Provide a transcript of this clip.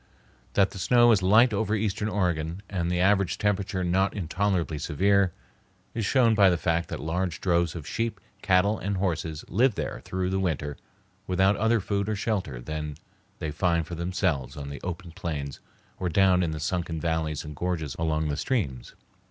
That the snow is light over eastern Oregon, and the average temperature not intolerably severe, is shown by the fact that large droves of sheep, cattle, and horses live there through the winter without other food or shelter than they find for themselves on the open plains or down in the sunken valleys and gorges along the streams.